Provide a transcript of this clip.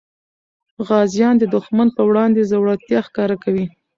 غازیان د دښمن په وړاندې زړورتیا ښکاره کوي.